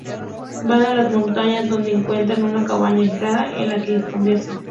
Van a las montañas donde encuentran una cabaña aislada en la que esconderse.